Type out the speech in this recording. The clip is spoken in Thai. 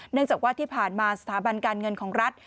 จากว่าที่ผ่านมาสถาบันการเงินของรัฐ